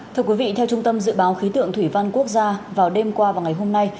thưa quý vị theo trung tâm dự báo khí tượng thủy văn quốc gia vào đêm qua và ngày hôm nay